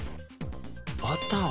バターを。